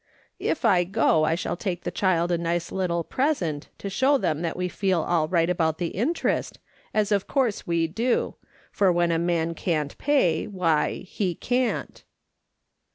If I go I shall take the child a nice little present, to show them that we feel all right about the interest, as of course we do ; for when a man can't pay, why he can't."